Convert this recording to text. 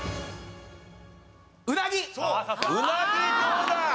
うなぎどうだ？